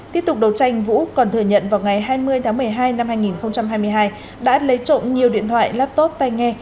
tiếp tục đầu tranh vũ còn thừa nhận vào ngày hai mươi một mươi hai hai nghìn hai mươi hai đã lấy trộm nhiều điện thoại laptop tay nghe